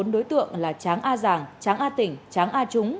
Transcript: bốn đối tượng là tráng a giàng tráng a tỉnh tráng a chúng